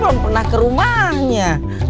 saya belum pernah kerumahnya